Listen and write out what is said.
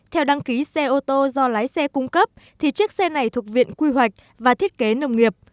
theo đăng ký xe ô tô do lái xe cung cấp thì chiếc xe này thuộc viện quy hoạch và thiết kế nông nghiệp